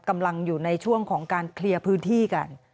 กำลังอยู่ในช่วงของการเคลียร์พื้นที่กัน